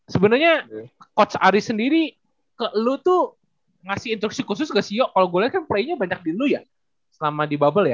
sebenernya coach ari sendiri ke lu tuh ngasih instruksi khusus gak sih kalau gua liat kan play nya banyak di lu ya selama di bubble ya